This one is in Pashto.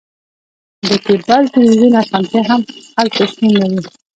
د کیبل تلویزیون اسانتیا هم هلته شتون لري